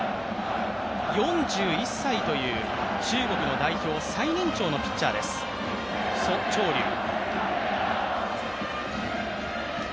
４１歳という中国の代表最年長のピッチャーです、ソ・チョウリュウ。